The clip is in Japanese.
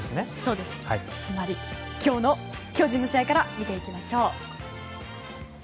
つまり、今日の巨人の試合から見ていきましょう。